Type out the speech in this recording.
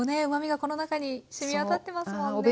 うまみがこの中にしみ渡ってますもんね。